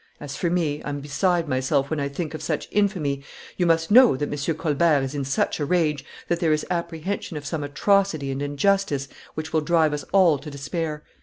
As for me, I am beside myself when I think of such infamy. ... You must know that M. Colbert is in such a rage that there is apprehension of some atrocity and injustice which will drive us all to despair.